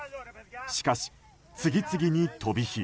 しかし、次々に飛び火。